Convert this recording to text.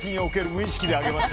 無意識です。